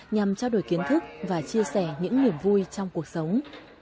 nhằm trao đổi kiến thức và chia sẻ những niềm vui trong cuộc sống